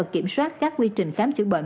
kiểm soát các quy trình khám chữa bệnh